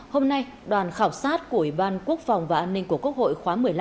hôm nay đoàn khảo sát của ủy ban quốc phòng và an ninh của quốc hội khóa một mươi năm